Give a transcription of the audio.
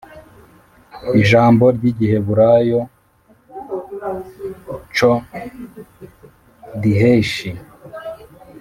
Ijambo ry’igiheburayo cho dhesh